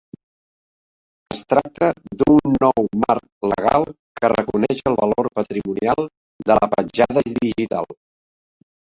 Es tracta d'un nou marc legal que reconeix el valor patrimonial de la petjada digital.